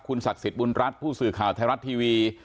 ศักดิ์สิทธิ์บุญรัฐผู้สื่อข่าวไทยรัฐทีวี